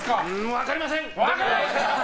分かりません！